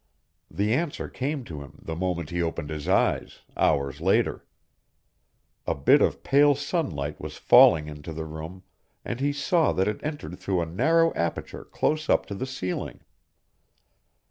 The answer came to him the moment he opened his eyes, hours later. A bit of pale sunlight was falling into the room and he saw that it entered through a narrow aperture close up to the ceiling.